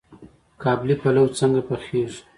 قابلي پلاو څنګه پخیږي؟